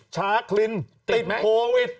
ชาคลินติดโควิด